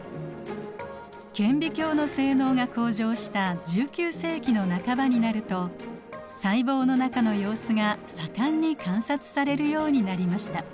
顕微鏡の性能が向上した１９世紀の半ばになると細胞の中の様子が盛んに観察されるようになりました。